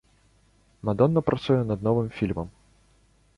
Мадонна працуе над новым фільмам.